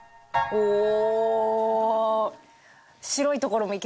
おお！